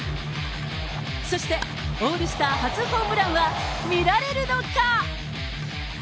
そして、オールスター初ホームランは見られるのか。